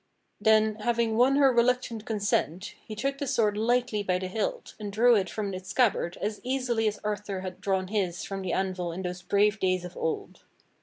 Then, having W'on her reluctant consent, he took the sword lightly by the hilt and drew it from its scabbard as easily as Arthur had drawm his from the anvil in those brave days of old.